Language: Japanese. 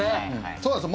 そうなんですよ。